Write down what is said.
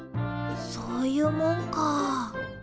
そういうもんかあ。